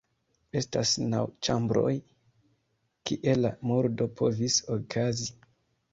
Estas naŭ ĉambroj, kie la murdo povis okazi.